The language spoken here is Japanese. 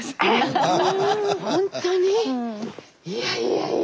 いやいやいや。